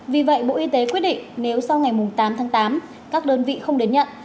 vì vậy bộ y tế quyết định nếu sau ngày tám tháng tám các đơn vị không đến nhận